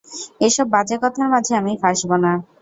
এসব বাজে কথার মাঝে আমি ফাঁসবো না।